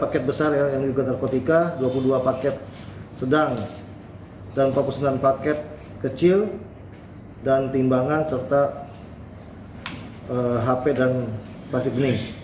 kecil dan timbangan serta hp dan plastik bening